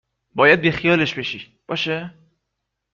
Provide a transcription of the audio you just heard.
باید بیخیالش بشی باشه؟